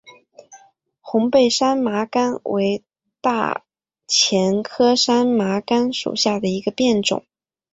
红背山麻杆为大戟科山麻杆属下的一个变种。